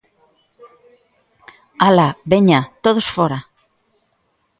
Ala, veña, todos fóra!